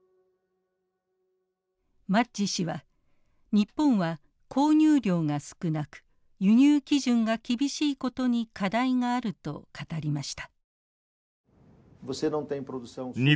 マッジ氏は日本は購入量が少なく輸入基準が厳しいことに課題があると語りました。